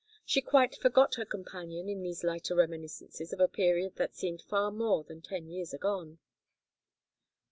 She quite forgot her companion in these lighter reminiscences of a period that seemed far more than ten years agone.